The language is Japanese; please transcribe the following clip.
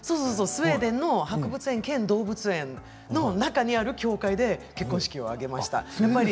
スウェーデンにある動物園兼博物館の中にある教会で結婚式を挙げました。